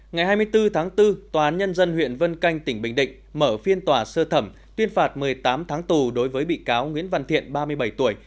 ngày hai mươi bốn tháng bốn tòa án nhân dân huyện vân canh tỉnh bình định mở phiên tòa sơ thẩm tuyên phạt một mươi tám tháng tù đối với bị cáo nguyễn văn thiện ba mươi bảy tuổi